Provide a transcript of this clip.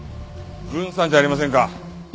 郡さんじゃありませんか。